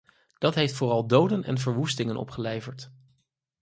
Dat heeft vooral doden en verwoestingen opgeleverd.